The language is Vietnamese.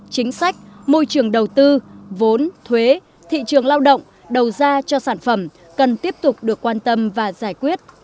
chính sách môi trường đầu tư vốn thuế thị trường lao động đầu ra cho sản phẩm cần tiếp tục được quan tâm và giải quyết